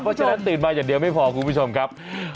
เพราะฉะนั้นตื่นมาอย่างเดียวไม่พอคุณผู้ชมครับ